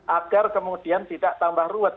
agar kemudian tidak tambah ruwet